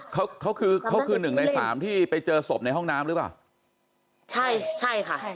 เขาเขาคือเขาคือหนึ่งในสามที่ไปเจอศพในห้องน้ำหรือเปล่าใช่ใช่ค่ะใช่